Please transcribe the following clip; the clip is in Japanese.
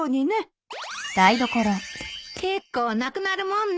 結構なくなるもんね。